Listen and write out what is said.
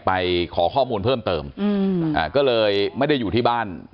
ขอข้อมูลเพิ่มเติมอืมอ่าก็เลยไม่ได้อยู่ที่บ้าน